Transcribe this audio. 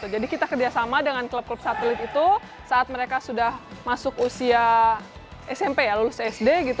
jadi kita kerjasama dengan klub klub satelit itu saat mereka sudah masuk usia smp lulus sd